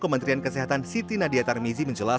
kementerian kesehatan siti nadia tarmizi menjelas